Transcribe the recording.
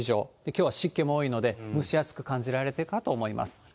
きょうは湿気も多いので、蒸し暑く感じられるかと思います。